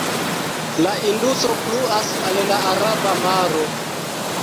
La Induso pluas al la Araba Maro.